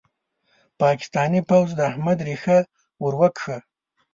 پاکستاني پوځ د احمد ريښه ور وکښه.